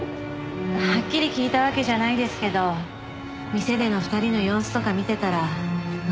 はっきり聞いたわけじゃないですけど店での２人の様子とか見てたらわかります。